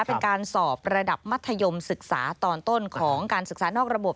เป็นการสอบระดับมัธยมศึกษาตอนต้นของการศึกษานอกระบบ